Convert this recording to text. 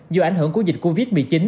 do ảnh hưởng của dịch covid một mươi chín